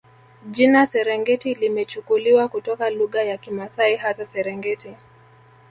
Jina Serengeti limechukuliwa kutoka lugha ya Kimasai hasa Serengeti